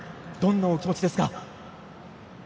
どんなお気持ちですか？